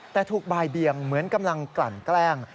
แต่ถูกบ่ายเบียงเหมือนกำลังกลั่นแกล้ง